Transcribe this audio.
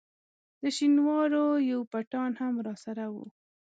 د شینوارو یو پټان هم راسره وو.